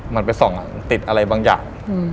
มันไปส่องติดอะไรบางอย่าง